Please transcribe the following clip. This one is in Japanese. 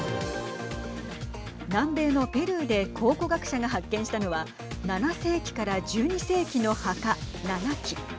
南米のペルーで考古学者が発見したのは７世紀から１２世紀の墓、７基。